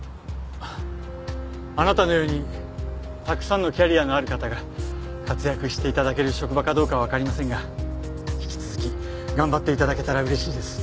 あなたのようにたくさんのキャリアのある方が活躍して頂ける職場かどうかはわかりませんが引き続き頑張って頂けたら嬉しいです。